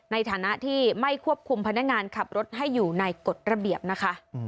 ในฐานะที่ไม่ควบคุมพนักงานขับรถให้อยู่ในกฎระเบียบนะคะ